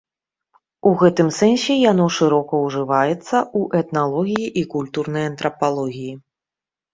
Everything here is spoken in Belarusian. У гэтым сэнсе яно шырока ўжываецца ў этналогіі і культурнай антрапалогіі.